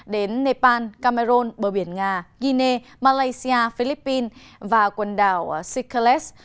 đến nepal cameroon bờ biển nga guinea malaysia philippines và quần đảo sikeles